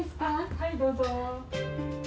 はいどうぞ。